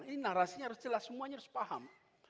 ini narasinya harus jelas semuanya harus paham